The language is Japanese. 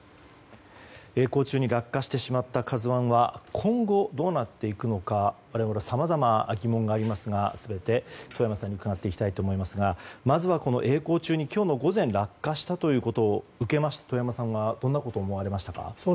えい航中に落下してしまった「ＫＡＺＵ１」は今後、どうなっていくのかさまざまな疑問がありますが全て遠山さんに伺っていきたいと思いますがまずはえい航中に今日の午前落下したということを受けて遠山さんは、どんなことを思われましたか？